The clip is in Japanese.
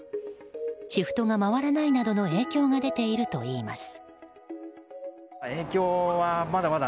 シフトが回らないなどの影響が出ているといいます。